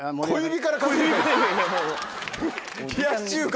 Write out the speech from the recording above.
「冷やし中華」。